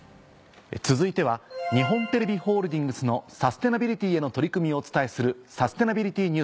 続いては日本テレビホールディングスのサステナビリティへの取り組みをお伝えする。